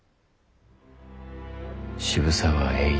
渋沢栄一。